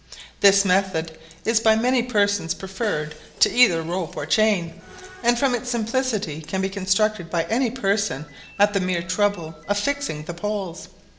This method is by many persons preferred to either rope or chain, and from its simplicity can be constructed by any person at the mere trouble of fixing the poles.